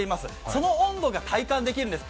その温度が体感できるんです。